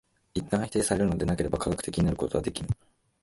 一旦否定されるのでなければ科学的になることはできぬ。